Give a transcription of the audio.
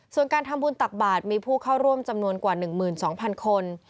ส่วนการทำบุญตักบาทมีผู้เข้าร่วมจำนวนกว่า๑๒๐๐๐คน